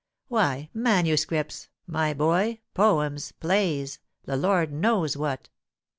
Why, manu scripts, my boy — poems — plays — the Lord knows what